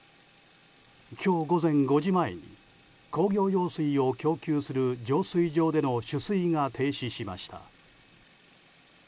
今日午前５時前に工業用水を供給する浄水場での取水が停止しました。